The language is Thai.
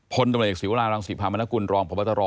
พลตมตศิวรารังศิภามนตร์กุลรองพบตร